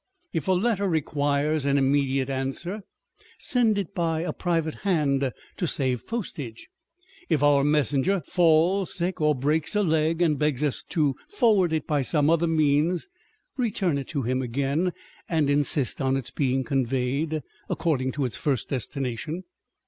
If a letter requires an immediate answer, send it by a private hand to save postage. If our messenger falls sick or breaks a leg and begs us to forward it by some other means, return it him again, and insist on its being conveyed On Depth and Superficiality. 495 according to ifs first destination.